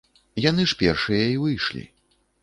Яны ж першыя і выйшлі.